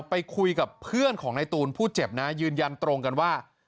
ไปคุยกับเพื่อนของในตูนผู้เจ็บนะยืนยันตรงกันว่า